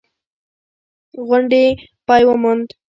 غونډې پای وموند.